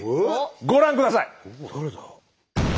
ご覧ください！